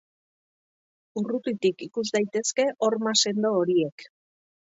Urrutitik ikus daitezke horma sendo horiek.